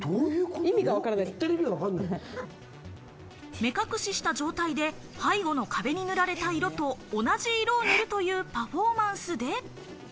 目隠しした状態で背後の壁に塗られた色と同じ色を塗るというパフォーマンスで。